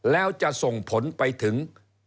แล้วจะส่งผลไปถึง